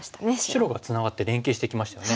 白がツナがって連携してきましたよね。